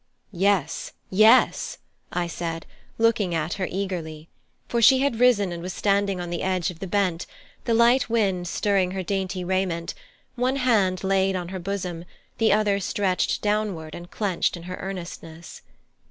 "Yes, yes," I said, looking at her eagerly; for she had risen and was standing on the edge of the bent, the light wind stirring her dainty raiment, one hand laid on her bosom, the other arm stretched downward and clenched in her earnestness.